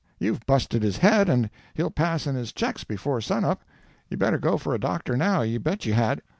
You've busted his head and he'll pass in his checks before sun up. You better go for a doctor, now, you bet you had."